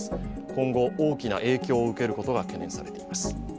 今後、大きな影響を受けることが懸念されています。